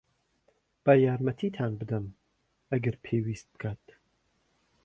با یارمەتیتان بدەم، ئەگەر پێویست بکات.